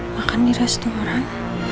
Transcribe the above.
makan di restoran